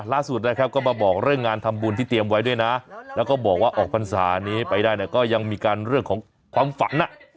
ล่าสุดนะครับก็มาบอกเรื่องงานทำบุญที่เตรียมไว้ด้วยนะแล้วก็บอกว่าออกพรรษานี้ไปได้เนี่ยก็ยังมีการเรื่องของความฝัน